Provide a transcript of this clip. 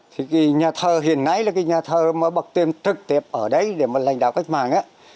thì nhà thờ hiện nay là cái nhà thờ mà bậc tiềm trực tiếp ở đấy để mà lãnh đạo cách mạng